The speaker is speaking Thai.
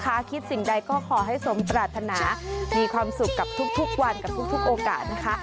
คิดสิ่งใดก็ขอให้สมปรารถนามีความสุขกับทุกวันกับทุกโอกาสนะคะ